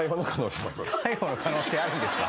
逮捕の可能性あるんですか？